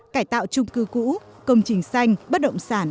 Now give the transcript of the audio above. cải tạo trung cư cũ công trình xanh bất động sản